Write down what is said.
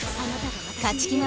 勝ち気な